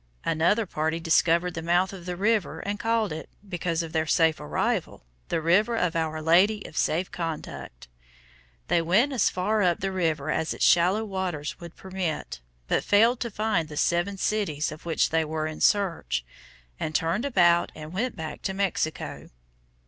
Another party discovered the mouth of the river and called it, because of their safe arrival, The River of Our Lady of Safe Conduct. They went as far up the river as its shallow waters would permit, but failed to find the seven cities of which they were in search, and turned about and went back to Mexico.